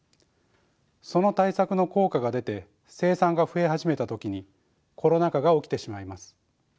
その対策の効果が出て生産が増え始めた時にコロナ禍が起きてしまいます。